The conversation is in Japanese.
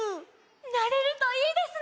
なれるといいですね！